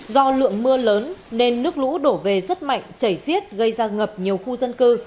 do lượng mưa lớn nên nước lũ đổ về rất mạnh chảy xiết gây ra ngập nhiều khu dân cư